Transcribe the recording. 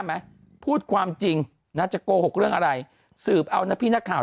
ไหมพูดความจริงนะจะโกหกเรื่องอะไรสืบเอานะพี่นักข่าว